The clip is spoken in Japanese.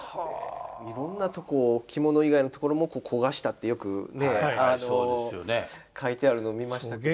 いろんなとこ着物以外のところも焦がしたってよくね書いてあるのを見ましたけど。